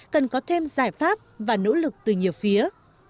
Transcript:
cần có thêm giải pháp và nỗ lực từ nhiều phía